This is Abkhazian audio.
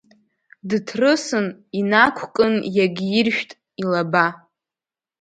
Дыҭрысын инақәкын иагьиршәт илаба…